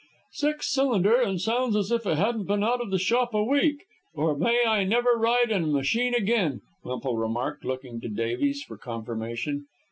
"Six cylinder, and sounds as if it hadn't been out of the shop a week, or may I never ride in a machine again," Wemple remarked, looking to Davies for confirmation.